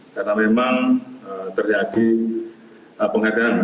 karena memang terjadi pengadangan